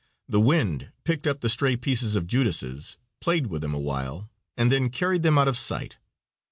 The wind picked up the stray pieces of Judases, played with them awhile, and then carried them out of sight.